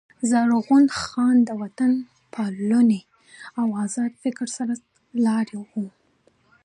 زرغون خان د وطن پالني او آزادۍ د فکر سر لاری وو.